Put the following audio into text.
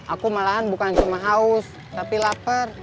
aku malahan bukan cuma haus tapi lapar